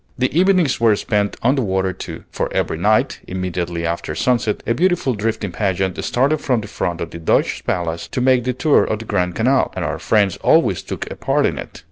The evenings were spent on the water too; for every night, immediately after sunset, a beautiful drifting pageant started from the front of the Doge's Palace to make the tour of the Grand Canal, and our friends always took a part in it.